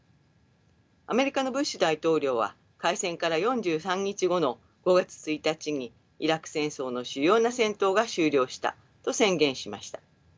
アメリカのブッシュ大統領は開戦から４３日後の５月１日にイラク戦争の主要な戦闘が終了したと宣言しました。